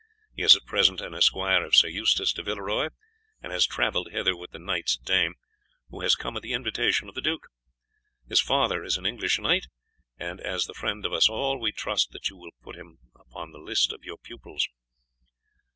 He is at present an esquire of Sir Eustace de Villeroy, and has travelled hither with the knight's dame, who has come at the invitation of the duke. His father is an English knight, and as the friend of us all we trust that you will put him upon the list of your pupils."